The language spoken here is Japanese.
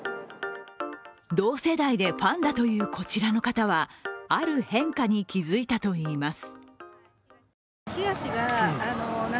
同世代でファンだというこちらの方はある変化に気付いたといいます。